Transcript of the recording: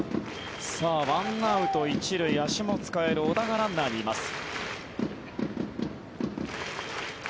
１アウト１塁、足も使える小田がランナーにいます。